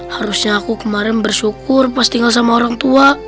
harusnya aku kemarin bersyukur pas tinggal sama orang tua